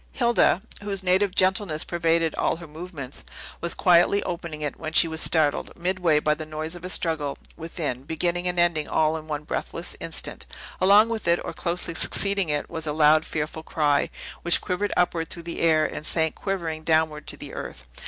Hilda (whose native gentleness pervaded all her movements) was quietly opening it, when she was startled, midway, by the noise of a struggle within, beginning and ending all in one breathless instant. Along with it, or closely succeeding it, was a loud, fearful cry, which quivered upward through the air, and sank quivering downward to the earth.